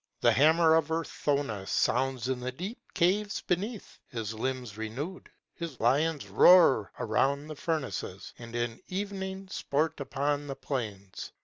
The hammer of Urthona sounds In the deep caves beneath; his limbs renew'd, his Lions roar Around the Furnaces and in evening sport upon the plains.